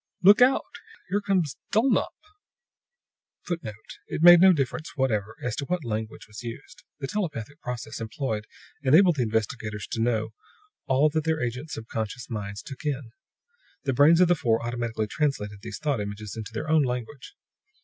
"Look out! Here comes Dulnop!" [Footnote: It made no difference whatever as to what language was used. The telepathic process employed enabled the investigators to know all that their agents' subconscious minds took in. The brains of the four automatically translated these thought images into their own language.